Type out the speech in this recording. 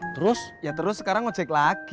terus ya terus sekarang ngecek lagi